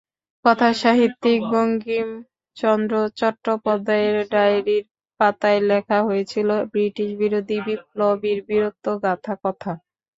কথাসাহিত্যিক বঙ্কিমচন্দ্র চট্টোপাধ্যায়ের ডায়েরির পাতায় লেখা হয়েছিল ব্রিটিশবিরোধী বিপ্লবীর বীরত্বগাথা কথা।